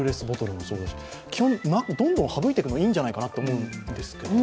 基本、どんどん省いていくのはいいんじゃないかなと思うんですけど。